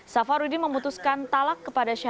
safarudin memutuskan talak kepada siapa